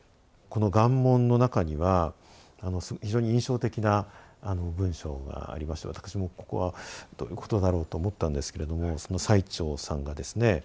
この「願文」の中には非常に印象的な文章がありまして私もここはどういうことだろうと思ったんですけれどもその最澄さんがですね